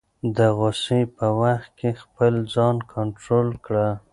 د غصې په وخت کې خپل ځان کنټرول کړه.